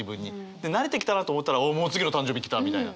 で慣れてきたなと思ったら「もう次の誕生日来た」みたいな。